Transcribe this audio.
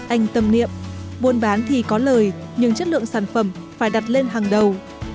anh tâm niệm buôn bán thì có lời nhưng chất lượng sản phẩm phải đặt lên hàng đầu